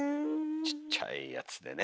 ちっちゃいやつでね。